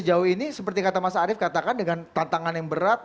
sejauh ini seperti kata mas arief katakan dengan tantangan yang berat